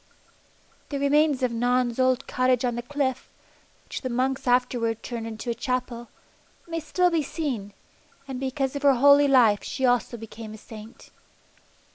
The remains of Non's old cottage on the cliff, which the monks afterwards turned into a Chapel, may still be seen, and because of her holy life she also became a saint.